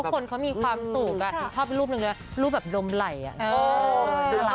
ทุกคนเขามีความสุขชอบรูปนึงเลยนะรูปแบบดมไหล